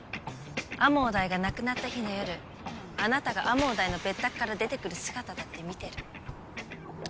天羽大が亡くなった日の夜あなたが天羽大の別宅から出てくる姿だって見てる。